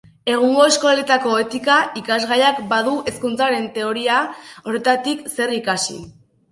Egungo eskoletako etika ikasgaiak badu hezkuntzaren teoria horretatik zer ikasi.